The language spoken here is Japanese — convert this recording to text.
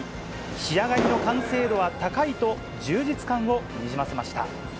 仕上がりの完成度は高いと、充実感をにじませました。